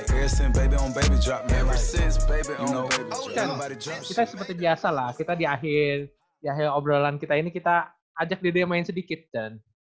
kita seperti biasa lah kita di akhir obrolan kita ini kita ajak dede main sedikit kan